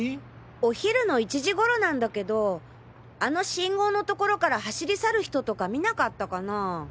お昼の１時頃なんだけどあの信号の所から走り去る人とか見なかったかなぁ？